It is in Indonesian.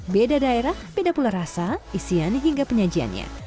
beda daerah beda pula rasa isian hingga penyajiannya